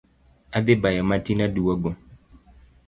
Adhi bayo matin aduogo